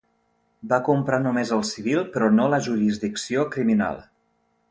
Va comprar només el civil, però no la jurisdicció criminal.